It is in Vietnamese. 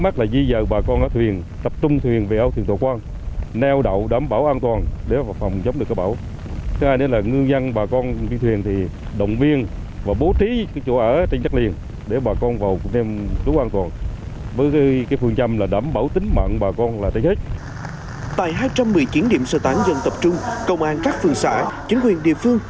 tại hai trăm một mươi chín điểm sơ tán dân tập trung công an các phường xã chính quyền địa phương